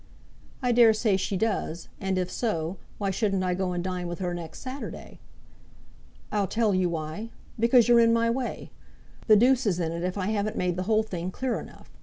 "I dare say she does; and if so, why shouldn't I go and dine with her next Saturday?" "I'll tell you why, because you're in my way. The deuce is in it if I haven't made the whole thing clear enough.